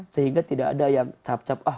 sehingga tidak ada yang cap cap ah